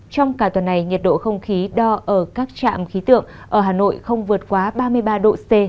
trong cả tuần này nhiệt độ không khí đo ở các trạm khí tượng ở hà nội không vượt quá ba mươi ba độ c